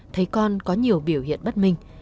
thấy con có nhiều biểu hiện bất minh